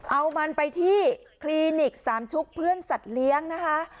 เอามันไปที่คลินิกสามชุกเพื่อนสัตว์เลี้ยงนะคะ